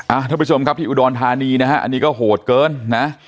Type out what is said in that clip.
ท่านผู้ชมครับที่อุดรธานีนะฮะอันนี้ก็โหดเกินนะ